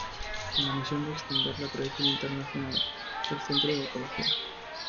Con la misión de extender la proyección internacional del Centro de Ecología.